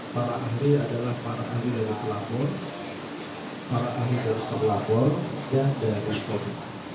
para ahli adalah para ahli dari pelapor para ahli dari terlapor dan dari polri